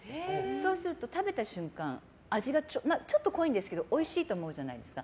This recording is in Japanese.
そうすると食べた瞬間味がちょっと濃いんですけどおいしいと思うじゃないですか。